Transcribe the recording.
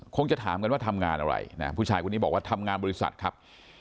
จะถามกันว่าทำงานอะไรนะผู้ชายคนนี้บอกว่าทำงานบริษัทครับ